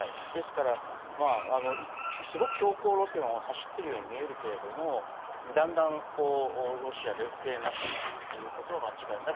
ですから、すごく強硬路線を走っているように見えるけれども、だんだんロシアは劣勢になってきていることは間違いない。